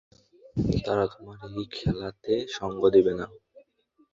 তারা তোমার এই খেলাতে সঙ্গ দিবে না।